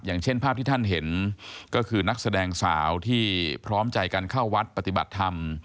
อย่างเช่นภาพที่ท่านเห็นก็คือนักแสดงสาวที่พร้อมใจกันเข้าวัดปฏิบัติธรรม